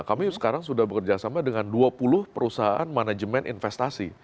kami sekarang sudah bekerjasama dengan dua puluh perusahaan manajemen investasi